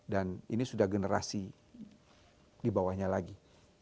dan ini sudah generasi di bawahnya lagi